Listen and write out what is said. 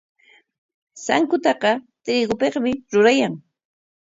Sankutaqa trigopikmi rurayan.